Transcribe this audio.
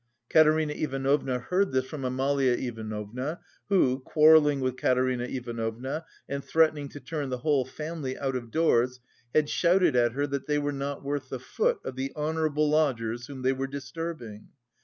Katerina Ivanovna heard this from Amalia Ivanovna who, quarrelling with Katerina Ivanovna, and threatening to turn the whole family out of doors, had shouted at her that they "were not worth the foot" of the honourable lodgers whom they were disturbing.